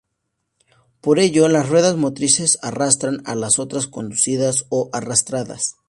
Por ello, las ruedas motrices arrastran a las otras conducidas o arrastradas.